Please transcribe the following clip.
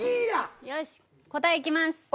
よし答えいきます。